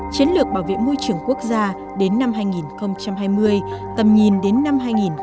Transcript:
chiến lược bảo vệ môi trường quốc gia đến năm hai nghìn hai mươi tầm nhìn đến năm hai nghìn ba mươi